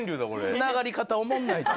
繋がり方おもんないって。